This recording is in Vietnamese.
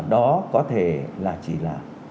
đó có thể là chỉ là